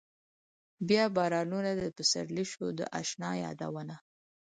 بيا بارانونه د سپرلي شو د اشنا يادونه